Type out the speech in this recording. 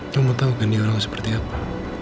kamu tau kan nino seperti apa